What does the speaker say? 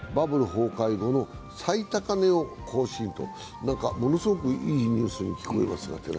崩壊後の最高値を更新とものすごく、いいニュースに聞こえますが。